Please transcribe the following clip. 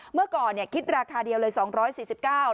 เมื่อก่อนคิดราคาเดียวเลย๒๔๙บาท